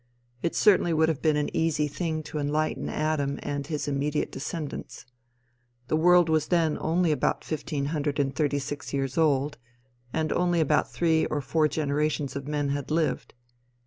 It certainly would have been an easy thing to enlighten Adam and his immediate descendants. The world was then only about fifteen hundred and thirty six years old, and only about three or four generations of men had lived.